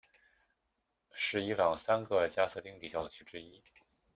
是伊朗三个加色丁礼教区之一。